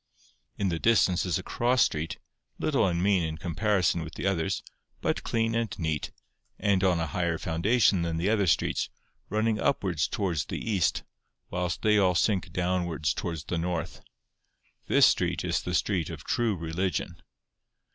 In the distance is a cross street, little and mean in comparison with the others, but clean and neat, and on a higher foundation than the other streets, running upwards towards the east, whilst they all sink downwards towards the north. This street is the street of True Religion.